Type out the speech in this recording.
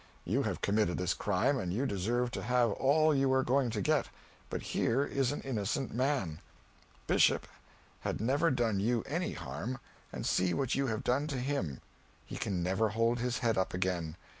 You have committed this crime, and you deserve to have all you are going to get. But here is an innocent man. Bishop had never done you any harm, and see what you have done to him. He can never hold his head up again.